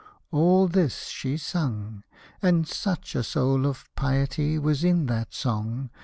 — All this she sung, and such a soul Of piety was in that song.